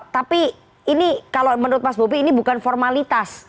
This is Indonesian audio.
tapi ini kalau menurut mas bobi ini bukan formalitas